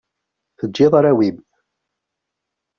Teǧǧiḍ arraw-im.